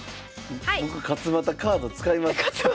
僕勝又カード使いますからね。